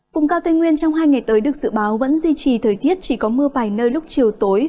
vùng cao tây nguyên trong hai ngày tới được dự báo vẫn duy trì thời tiết chỉ có mưa vài nơi lúc chiều tối